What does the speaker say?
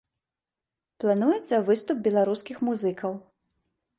Плануецца выступ беларускіх музыкаў.